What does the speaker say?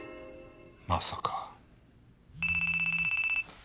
まさか。